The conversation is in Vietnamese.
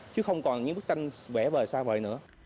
chứ không còn những bức tranh vẻ vời xa vời nữa